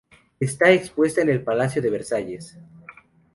Está expuesta en el Palacio de Versalles.